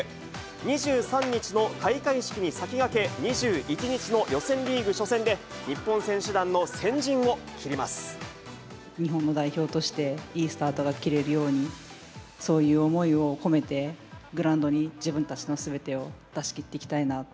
２３日の開会式に先駆け、２１日の予選リーグ初戦で、日本の代表としていいスタートが切れるように、そういう思いを込めて、グラウンドに自分たちのすべてを出し切っていきたいなと。